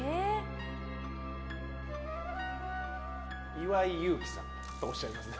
岩井勇気さんとおっしゃいますね？